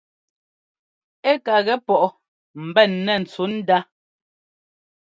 Ɛ ka gɛ pɔʼ mbɛn nɛ́ ntsǔnda.